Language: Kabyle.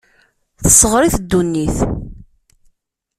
Tesseɣr-it ddunit.